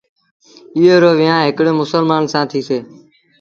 ايئي رو ويهآݩ هڪڙي مسلمآݩ سآݩ ٿيٚسيٚ۔